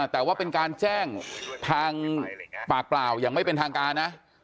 แต่ว่าเป็นการแจ้งทางปากเปล่าอย่างไม่เป็นทางการนะ